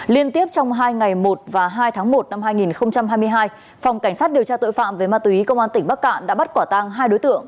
liên tiếp trong hai ngày một và hai tháng một năm hai nghìn hai mươi hai phòng cảnh sát điều tra tội phạm về ma túy công an tỉnh bắc cạn đã bắt quả tang hai đối tượng